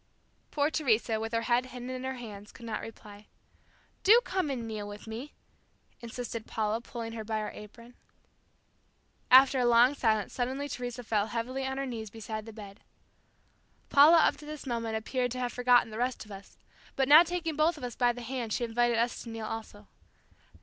'" Poor Teresa, with her head hidden in her hands, could not reply. "Do come and kneel with me," insisted Paula, pulling her by her apron. After a long silence suddenly Teresa fell heavily on her knees beside the bed. Paula up to this moment appeared to have forgotten the rest of us, but now taking both of us by the hand she invited us to kneel also.